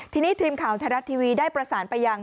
ทีนี้ทีมข่าวไทยรัฐทีวีได้ประสานไปยัง